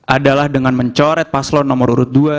adalah dengan mencoret paslon nomor urut dua